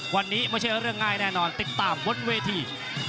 วันนี้ไม่ใช่เรื่องง่ายแน่นอนติดตามบนเวที